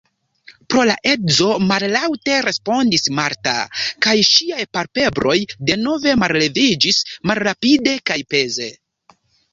Pro la edzo, mallaŭte respondis Marta, kaj ŝiaj palpebroj denove malleviĝis malrapide kaj peze.